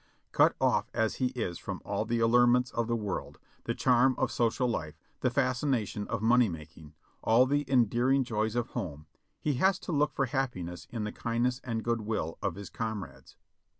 Cut off as he is from all the allurements of the world, the charm of social life, the fascination of money making, all the endearing joys of home, he has to look for happiness in the kindness and good will of his comrades.